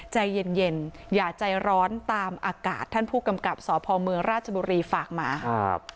ใจเย็นเย็นอย่าใจร้อนตามอากาศท่านผู้กำกับสพเมืองราชบุรีฝากมาครับ